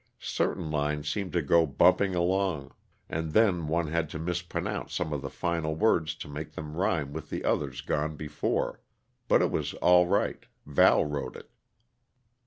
Certain lines seemed to go bumping along, and one had to mispronounce some of the final words to make them rhyme with others gone before, but it was all right Val wrote it.